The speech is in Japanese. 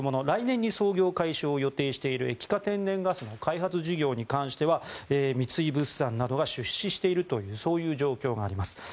来年に操業開始を予定している液化天然ガスの開発事業に関しては三井物産などが出資しているという状況があります。